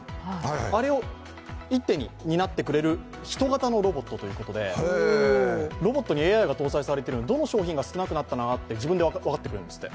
あれを一手に担ってくれるヒト型のロボットということでロボットにＡＩが搭載されているので、どの商品が少なくなったか自分で分かってくれるんですって。